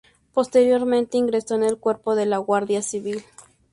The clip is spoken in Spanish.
Posteriormente ingresó en el cuerpo de la Guardia Civil.